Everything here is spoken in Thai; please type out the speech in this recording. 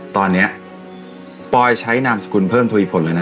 ตอนนี้ปอยใช้นามสกุลเพิ่มทุยผลเลยนะ